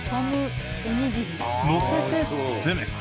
乗せて包む。